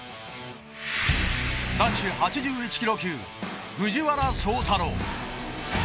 男子８１ｋｇ級、藤原崇太郎。